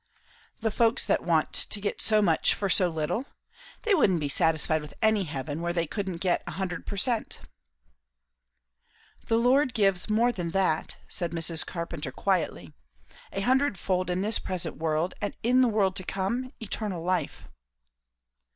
"The folks that want to get so much for so little. They wouldn't be satisfied with any heaven where they couldn't get a hundred per cent." "The Lord gives more than that," said Mrs. Carpenter quietly. "A hundredfold in this present world; and in the world to come, eternal life."